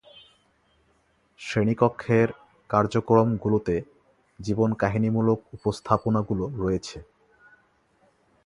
শ্রেণীকক্ষের কার্যক্রমগুলোতে জীবনকাহিনিমূলক উপস্থাপনাগুলো রয়েছে।